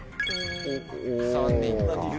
３人か。